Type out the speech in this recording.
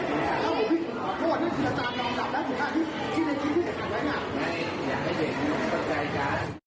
ไม่สิอยากให้เก็บแล้วว่ารู้ซะแล้วซะ